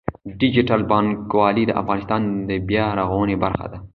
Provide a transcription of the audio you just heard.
ډیجیټل بانکوالي د افغانستان د بیا رغونې برخه ده.